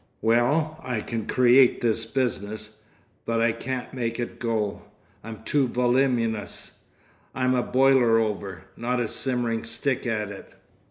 Well, I can create this business, but I can't make it go. I'm too voluminous—I'm a boiler over, not a simmering stick at it.